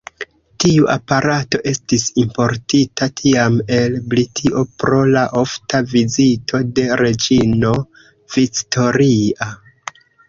Tiu aparato estis importita tiam el Britio pro la ofta vizito de reĝino Victoria.